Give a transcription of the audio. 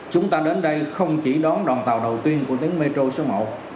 chúng ta đến đây không chỉ đón đoàn tàu đầu tiên của tuyến metro số một